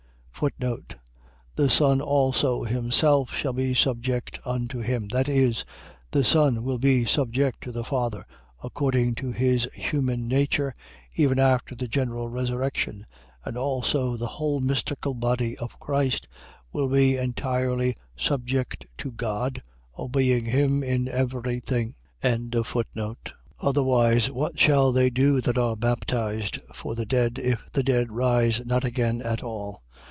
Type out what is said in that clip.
The Son also himself shall be subject unto him. . .That is, the Son will be subject to the Father, according to his human nature, even after the general resurrection; and also the whole mystical body of Christ will be entirely subject to God, obeying him in every thing. 15:29. Otherwise, what shall they do that are baptized for the dead, if the dead rise not again at all?